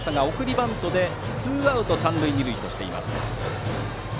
バントでツーアウト三塁二塁としています。